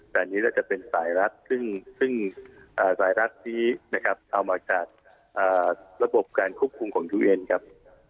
แต่อันนี้จะเป็นสายรักษ์ซึ่งสายรักษ์ที่เอามาจากระบบการควบคุมของทุเรียนครับ